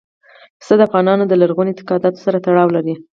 پسه د افغانانو له لرغونو اعتقاداتو سره تړاو لري.